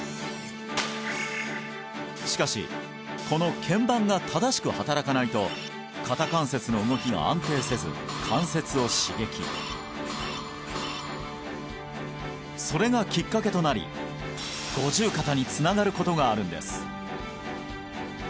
しかしこの腱板が正しく働かないと肩関節の動きが安定せず関節を刺激それがきっかけとなり五十肩につながることがあるんです